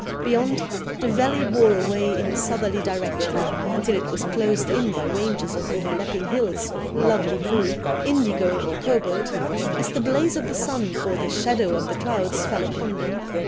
Beyond, the valley bore away in a southerly direction until it was closed in by ranges of overlapping hills of lovely blue indigo or cobalt as the blaze of the sun or the shadow of the clouds fell upon them.